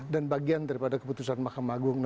dan bagian daripada keputusan mahkamah agung enam ratus satu